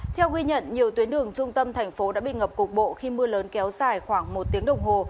theo ghi nhận nhiều tuyến đường trung tâm thành phố đã bị ngập cục bộ khi mưa lớn kéo dài khoảng một tiếng đồng hồ